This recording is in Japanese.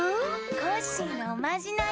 コッシーのおまじない。